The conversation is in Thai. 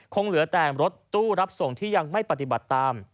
คงเหลือแต่รถตู้รับส่งที่ยังไม่ปฏิบัติตาม